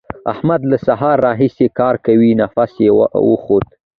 احمد له سهار راهسې کار کوي؛ نفس يې وخوت.